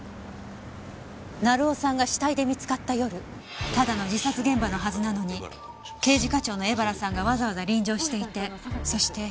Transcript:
成尾さんが死体で見つかった夜ただの自殺現場のはずなのに刑事課長の江原さんがわざわざ臨場していてそして。